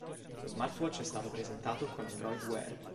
Lo smartwatch è stato presentato con Android Wear.